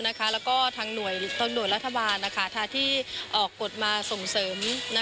แล้วก็ทางหน่วยรัฐบาลที่ออกกฎมาส่งเสริม